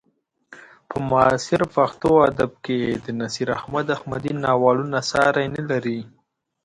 په معاصر پښتو ادب کې د نصیر احمد احمدي ناولونه ساری نه لري.